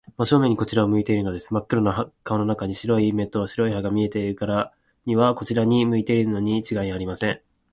真正面にこちらを向いているのです。まっ黒な顔の中に、白い目と白い歯とが見えるからには、こちらを向いているのにちがいありません。